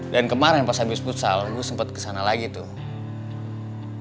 dan kemarin pas habis busal gue sempet kesana lagi tuh